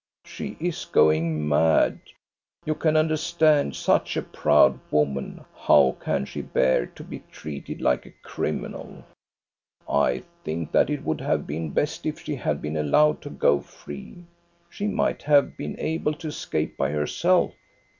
She is going mad. You can understand, such a proud woman, how can she bear to be treated like a criminal I I think that it would have been best if she had been allowed to go free. She might have been able to escape by herself.